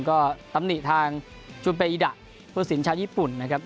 ก็กรรมนิจทางจุดเปลี่ยนผู้สินชาติญี่ปุ่นนะครับ